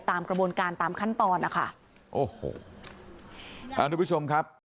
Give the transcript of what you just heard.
ตามกระบวนการตามขั้นตอน